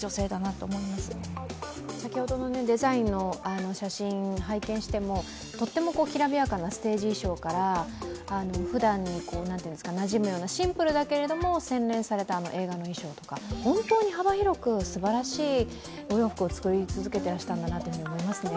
先ほどのデザインの写真を拝見しても、とってもきらびやかなステージ衣装からふだんになじむようなシンプルだけれども洗練された映画の衣装とか本当に幅広くすばらしいお洋服を作り続けていらしたんだなと思いますね。